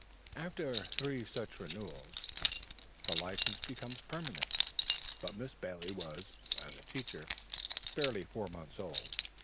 After three such renewals the license becomes permanent, but Miss Bailey was, as a teacher, barely four months old.